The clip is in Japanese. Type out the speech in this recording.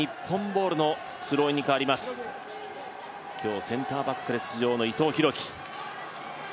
今日、センターバックで出場の伊藤洋輝。